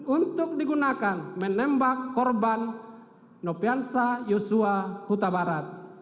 untuk digunakan menembak korban nopiansa yosua kutabarat